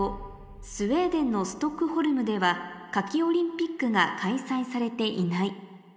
「スウェーデンのストックホルムでは夏季オリンピックが開催されていない」